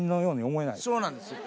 そうなんですよ。